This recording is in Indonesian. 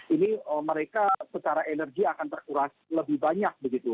ini mereka secara energi akan terkuras lebih banyak begitu